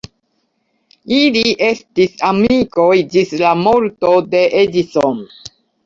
Ili estis amikoj ĝis la morto de Edison.